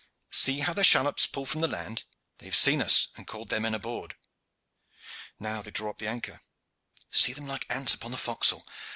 See how their shallops pull from the land! They have seen us and called their men aboard. Now they draw upon the anchor. See them like ants upon the forecastle!